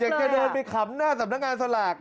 จะเดินไปขำหน้าสำนักงานสลาก